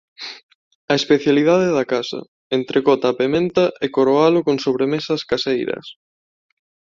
a especialidade da casa: entrecot á pementa e coroalo con sobremesas caseiras.